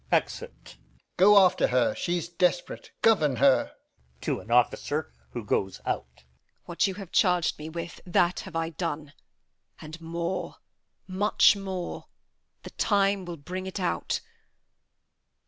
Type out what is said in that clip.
Exit. Alb. Go after her. She's desperate; govern her. [Exit an Officer.] Edm. What, you have charg'd me with, that have I done, And more, much more. The time will bring it out.